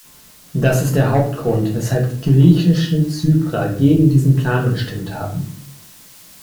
Das ist der Hauptgrund, weshalb die griechischen Zyprer gegen diesen Plan gestimmt haben.